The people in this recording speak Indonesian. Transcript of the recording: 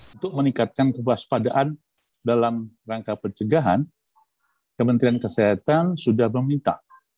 untuk meningkatkan kewaspadaan dalam rangka pencegahan kementerian kesehatan sudah meminta